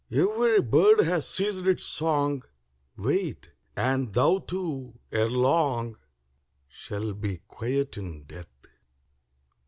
Every bird has ceased its song, Wait ; and thou too, ere long, Shall be quiet in death.